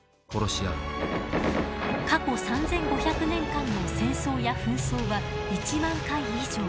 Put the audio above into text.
過去３５００年間の戦争や紛争は１万回以上。